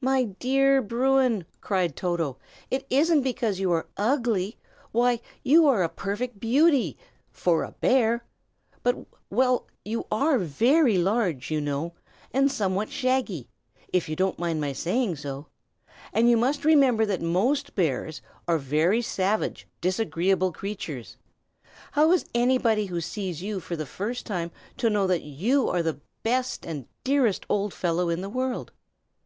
"My dear Bruin," cried Toto, "it isn't because you are ugly; why, you are a perfect beauty for a bear. But well you are very large, you know, and somewhat shaggy, if you don't mind my saying so; and you must remember that most bears are very savage, disagreeable creatures. How is anybody who sees you for the first time to know that you are the best and dearest old fellow in the world?